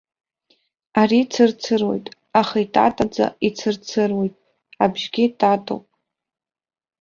Ари цырцыруеит, аха итатаӡа ицырцыруеит, абжьгьы татоуп.